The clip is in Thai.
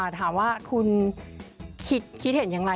ถามว่าคุณคิดเห็นอย่างไร